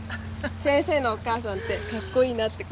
先生のお母さんってかっこいいなって子もいたよ。